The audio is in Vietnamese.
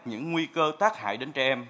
những nguy cơ tác hại đến trẻ em